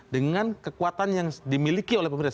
dengan kekuatan yang dimiliki oleh pemerintah